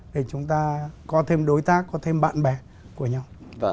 để chúng ta có thêm đối tác có thêm bạn bè của nhau